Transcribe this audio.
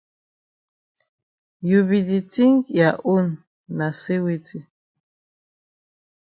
You be di tink ya own na say weti?